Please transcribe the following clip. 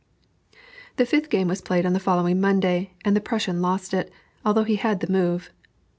The fifth game was played on the following Monday, and the Prussian lost it, although he had the move.